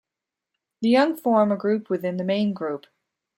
The young form a group within the main group.